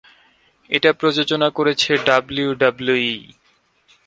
এটা প্রযোজনা করেছে ডাব্লিউডাব্লিউই।